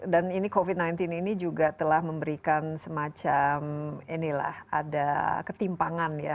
dan ini covid sembilan belas ini juga telah memberikan semacam inilah ada ketimpangan ya